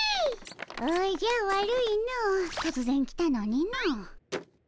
おじゃ悪いのとつぜん来たのにの。